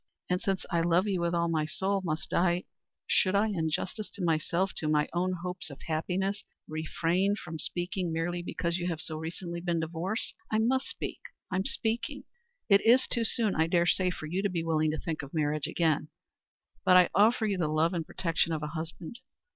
"And since I love you with all my soul must I should I in justice to myself to my own hopes of happiness, refrain from speaking merely because you have so recently been divorced? I must speak I am speaking. It is too soon, I dare say, for you to be willing to think of marriage again but I offer you the love and protection of a husband.